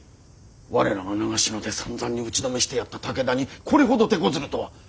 我らが長篠でさんざんに打ちのめしてやった武田にこれほどてこずるとは！